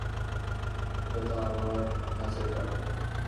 এটা তো আমার ধাঁচের গান।